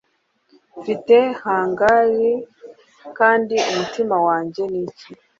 Mfite hangnail kandi umutima wanjye ni iki